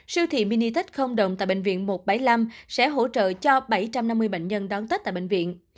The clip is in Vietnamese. siêu thị minitech không đồng tại bệnh viện một trăm bảy mươi năm sẽ hỗ trợ cho bảy trăm năm mươi bệnh nhân đón tết tại bệnh viện